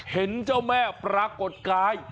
เห็นเจ้าแม่ปรากฏกาย